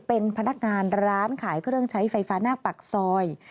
เป็นพนักงานร้านขายเครื่องใช้ไฟฟ้าหน้าปากซอย